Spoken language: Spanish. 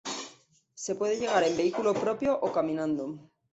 Se puede llegar en vehículo propio o caminando.